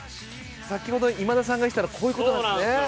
先ほど今田さんが言ってたのこういう事なんですね。